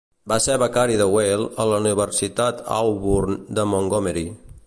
Va ser becari de Weil a la Universitat Auburn de Montgomery.